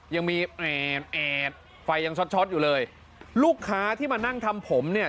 ยังมีแอดแอดไฟยังช็อตอยู่เลยลูกค้าที่มานั่งทำผมเนี่ย